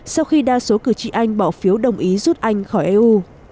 sau khi đa số cử tri anh bỏ phiếu đồng ý rút anh khỏi eu